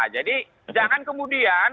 jadi jangan kemudian